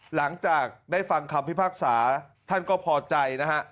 หลังจากได้ฟังคำพิพากษาท่านก็พอใจนะฮะ